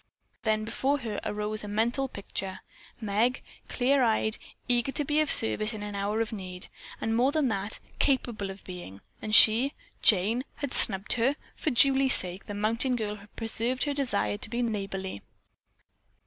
Then before her arose a mental picture. Meg, clear eyed, eager to be of service in an hour of need, and more than that, capable of being, and she, Jane, had snubbed her, but for Julie's sake the mountain girl had persevered in her desire to be neighborly.